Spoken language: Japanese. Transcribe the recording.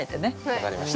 分かりました。